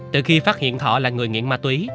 từ khi phát hiện thọ là người nghiện ma túy